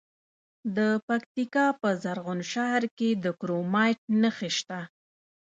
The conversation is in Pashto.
د پکتیکا په زرغون شهر کې د کرومایټ نښې شته.